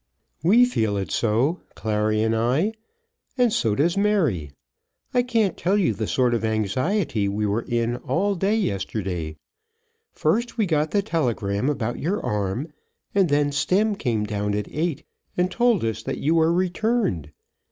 "We feel it so, Clary and I, and so does Mary. I can't tell you the sort of anxiety we were in all day yesterday. First we got the telegram about your arm, and then Stemm came down at eight and told us that you were returned.